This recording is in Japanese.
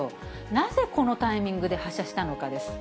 なぜこのタイミングで発射したのかです。